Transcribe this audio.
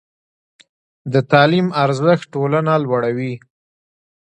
د تعلیم ارزښت ټولنه لوړوي.